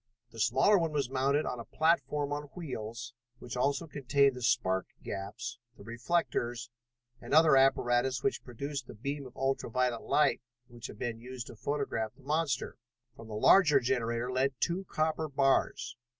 The smaller one was mounted on a platform on wheels, which also contained the spark gaps, the reflectors and other apparatus which produced the beam of ultra violet light which had been used to photograph the monster. From the larger generator led two copper bars.